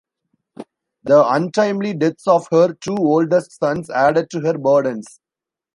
The untimely deaths of her two oldest sons added to her burdens.